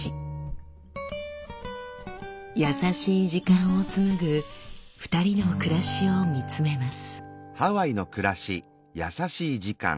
優しい時間を紡ぐ２人の暮らしを見つめます。